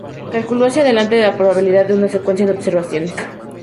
Cálculo hacia adelante de la probabilidad de una secuencia de observaciones.